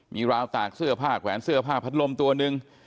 มีราวตากเสื้อผ้าแขวนเสื้อผ้าพัดลมตัวหนึ่ง